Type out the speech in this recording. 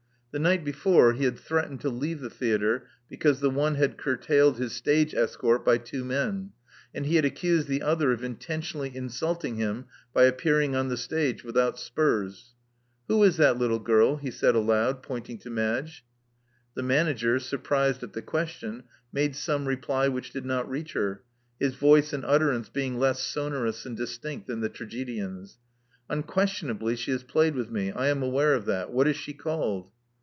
The night before, he had threatened to leave the theatre because the one had cur tailed his stage escort by two men ; and he had accused the other of intentionally insulting him by appearing on the stage without spurs. Who is that little girl? he said aloud, pointing to Madge. The manager, surprised at the question, made some reply which did not reach her, his voice and utterance being less sonorous and distinct than the tragedian's. Unquestionably she has played with me. I am aware of that. What is she called?"